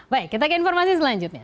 baik kita ke informasi selanjutnya